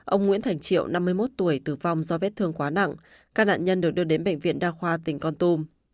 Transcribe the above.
ông nguyễn thành triệu năm mươi một tuổi tử vong do vết thương quá nặng các nạn nhân được đưa đến bệnh viện đa khoa tỉnh con tum